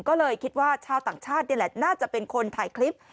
ก็เลยคิดว่าชาวต่างชาตินี่แหละน่าจะเป็นคนถ่ายคลิป